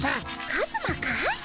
カズマかい？